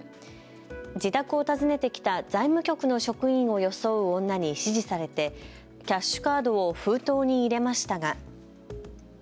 自宅を訪ねてきた財務局の職員を装う女に指示されてキャッシュカードを封筒に入れましたが。